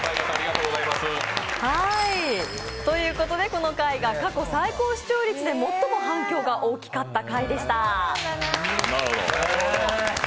この回が過去最高視聴率で最も反響が大きかった回でした。